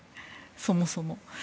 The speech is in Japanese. そもそも。